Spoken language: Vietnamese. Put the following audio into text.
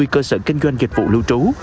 hai mươi cơ sở kinh doanh dịch vụ lưu trú